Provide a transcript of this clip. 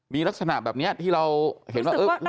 มีลักษณะแบบนี้ที่เราเห็นว่า